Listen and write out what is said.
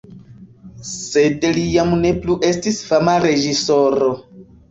Sed li jam ne plu estis fama reĝisoro.